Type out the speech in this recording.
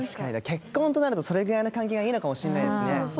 結婚となるとそれぐらいの関係がいいのかもしれないですね。